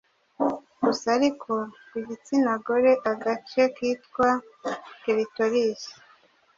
Gusa ariko ku gitsina gore agace kitwa clitoris